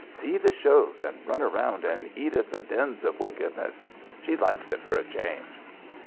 See the shows, and run around and eat at the dens of wickedness. She likes it for a change."